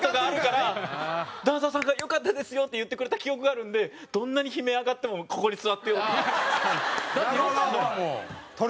ダンサーさんが「よかったですよ」って言ってくれた記憶があるんでどんなに悲鳴上がってもここに座ってようと。